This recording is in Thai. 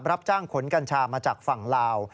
รับจ้างขนกัญชามาจากฝั่งลาว